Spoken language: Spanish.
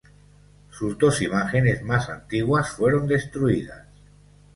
Sus dos imágenes más antiguas fueron destruidas.